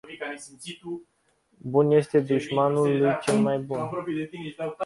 Bun nu este dușmanul lui cel mai bun.